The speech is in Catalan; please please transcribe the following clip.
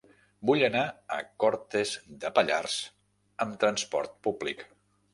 Vull anar a Cortes de Pallars amb transport públic.